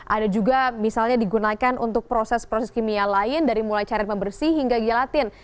ada juga misalnya digunakan untuk proses proses kimia lain dari mulai cair pembersih hingga gelatin